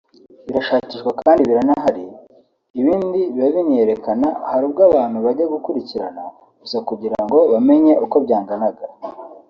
birashakishwa kandi biranahari ibindi biba biniyerekana hari ubwo abantu bajya gukurikirana gusa kugira ngo bamenye uko byanganaga